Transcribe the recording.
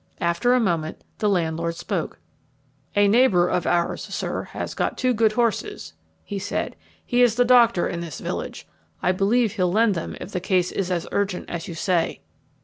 After a moment the landlord spoke, "A neighbour of ours, sir, has got two good horses," he said. "He is the doctor in this village. I believe he'll lend them if the case is as urgent as you say."